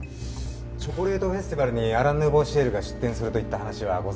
チョコレートフェスティバルにアラン・ヌーボー・シエルが出店するといった話はございません。